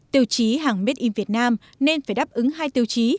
tiêu chí hàng made in vietnam nên phải đáp ứng hai tiêu chí